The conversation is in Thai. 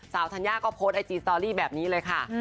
ธัญญาก็โพสต์ไอจีสตอรี่แบบนี้เลยค่ะ